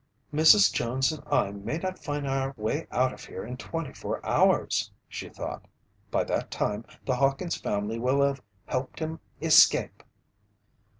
"Mrs. Jones and I may not find our way out of here in twenty four hours!" she thought. "By that time, the Hawkins' family will have helped him escape!"